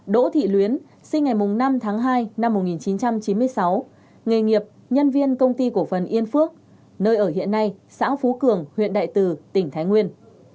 đỗ thị luyến sinh ngày năm tháng hai năm một nghìn chín trăm chín mươi sáu nghề nghiệp nhân viên công ty cổ phần yên phước nơi ở hiện nay xã phú cường huyện đại từ tỉnh thái nguyên